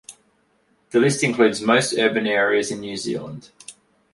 The list includes most urban areas in New Zealand.